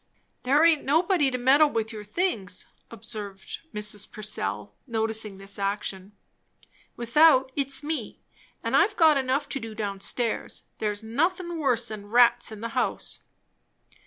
"There aint nobody to meddle with your things," observed Mrs. Purcell, noticing this action, "without it's me; and I've got enough to do down stairs. There's nothin' worse than rats in the house."